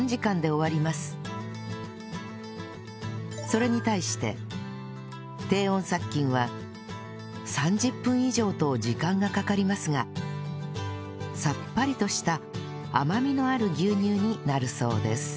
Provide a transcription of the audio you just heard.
それに対して低温殺菌は３０分以上と時間がかかりますがさっぱりとした甘みのある牛乳になるそうです